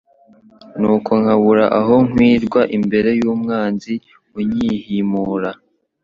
nuko nkabura aho nkwirwa imbere y’umwanzi unyihimura